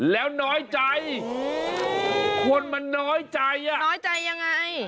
แล้วน้อยใจคนมันน้อยใจอ่ะน้อยใจยังไง